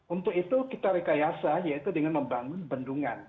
untuk itu kita rekayasa yaitu dengan membangun bendungan